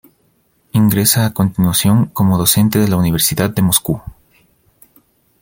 Ingresa a continuación como docente en la Universidad de Moscú.